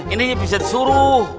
ini bisa disuruh